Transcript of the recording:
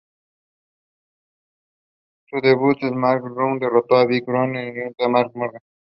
Eleonore had five brothers and two sisters.